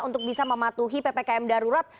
untuk bisa mematuhi ppkm darurat